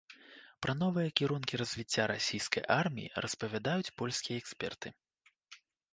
Пра новыя кірункі развіцця расійскай арміі распавядаюць польскія эксперты.